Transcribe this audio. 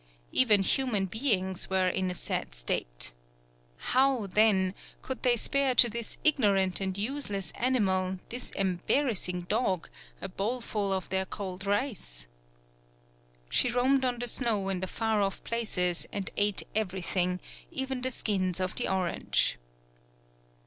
Even human beings were in a sad state. How, then, could they spare to this ignorant and useless animal, this embarrassing dog, a bowl ful of their cold rice? She roamed on the snow in the far off places, and ate everything, even the skins of the orange.